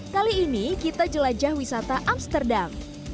kali ini kita jelajah wisata amsterdam